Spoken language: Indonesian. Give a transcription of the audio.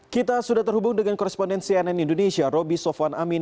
kita sudah terhubung dengan koresponden cnn indonesia roby sofwan amin